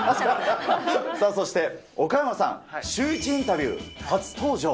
そして、岡山さん、シューイチインタビュー初登場。